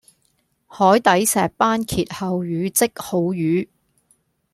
海底石班謁後語即好瘀